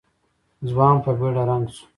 ځوان په بېړه رنګ شو.